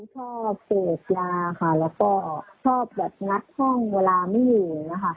ชอบเตรียดยาค่ะแล้วก็ชอบแบบนัดห้องเวลาไม่หยุ่นนะคะ